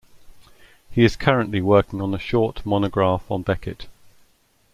He is currently working on a short monograph on Beckett.